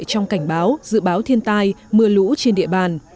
trong cảnh báo dự báo thiên tai mưa lũ trên địa bàn